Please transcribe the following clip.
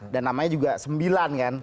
dan namanya juga sembilan kan